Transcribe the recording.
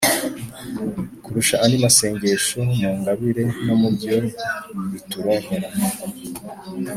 kurusha andi masengesho, mu ngabire no mubyo rituronkera